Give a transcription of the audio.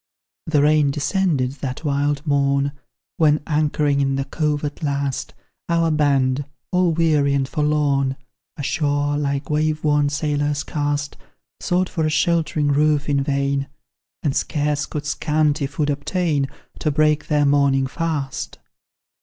The rain descended that wild morn When, anchoring in the cove at last, Our band, all weary and forlorn Ashore, like wave worn sailors, cast Sought for a sheltering roof in vain, And scarce could scanty food obtain To break their morning fast.